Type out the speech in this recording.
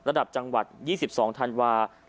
ระดับจังหวัด๒๒ธันวาคม